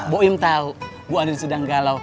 bu im tahu bu andien sedang galau